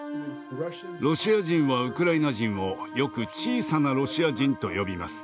ロシア人はウクライナ人をよく「小さなロシア人」と呼びます。